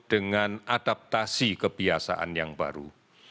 dengan adaptasi kebiasaan yang baru